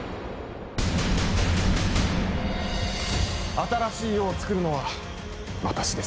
新しい世をつくるのは私です。